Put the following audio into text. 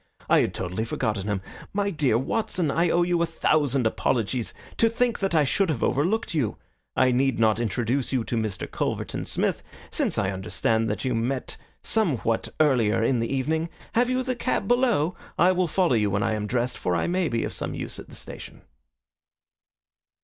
"I had totally forgotten him. My dear Watson, I owe you a thousand apologies. To think that I should have overlooked you! I need not introduce you to Mr. Culverton Smith, since I understand that you met somewhat earlier in the evening. Have you the cab below? I will follow you when I am dressed, for I may be of some use at the station.